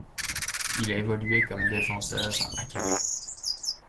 Il a évolué comme défenseur à Calais.